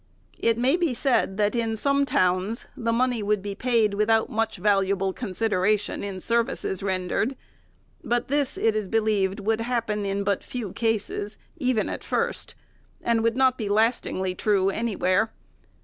It may be said, that, in some towns, the money would be paid without much valuable consideration in services rendered : but this, it is believed, would happen in but few cases, even at first, and would not be lastingly true anywhere.